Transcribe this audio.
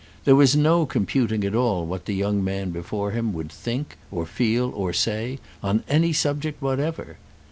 There was no computing at all what the young man before him would think or feel or say on any subject whatever.